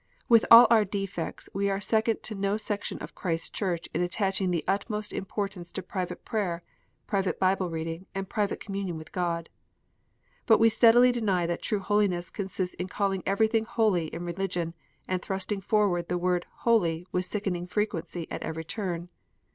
With all our defects, we are second to no section of Christ s Church in attaching the utmost importance to private prayer, private Bible reading, and private communion with God. But we steadily deny that true holiness consists in calling everything " holy " in religion, and thrusting forward the word "holy" with sickening frequency at every turn.